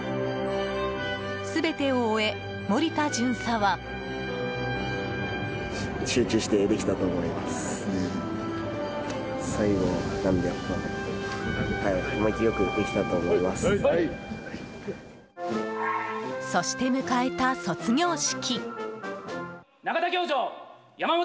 全てを終え、森田巡査は。そして迎えた卒業式。